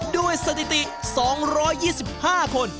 ด้วยสถิติ๒๒๕คน